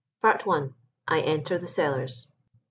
I ENTER THE CELLARS.